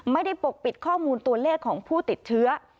ปกปิดข้อมูลตัวเลขของผู้ติดเชื้อ